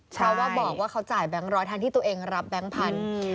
เพราะว่าบอกว่าเขาจ่ายแบงค์ร้อยทั้งที่ตัวเองรับแบงค์พันธุ์